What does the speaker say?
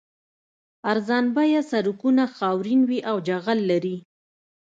ارزان بیه سړکونه خاورین وي او جغل لري